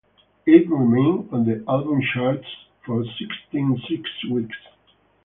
It remained on the album charts for sixty-six weeks.